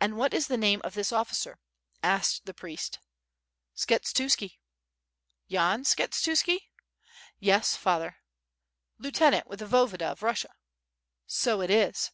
"And what is the name of this officer," asked the priest. "Skshetuski." "Yan Skshetuski?" "Yes, Father." "Lieutenant with the Voyevoda of Russia?*' "So it is!"